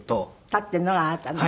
立っているのがあなたね。